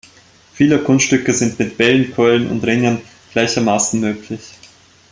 Viele Kunststücke sind mit Bällen, Keulen und Ringen gleichermaßen möglich.